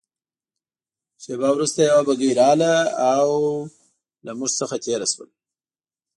شېبه وروسته یوه بګۍ راغلل او له موږ څخه تېره شول.